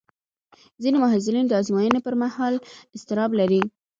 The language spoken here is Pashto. ځینې محصلین د ازموینې پر مهال اضطراب لري.